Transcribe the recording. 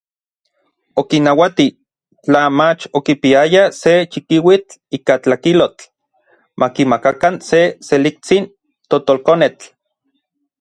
Okinnauati, tla mach okipiayaj se chikiuitl ika tlakilotl, makimakakan se seliktsin totolkonetl.